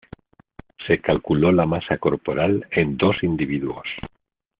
Se calculó la masa corporal en dos individuos.